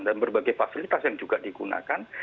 dan berbagai fasilitas yang juga digunakan